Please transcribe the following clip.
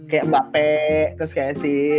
kayak mbappe terus kayak si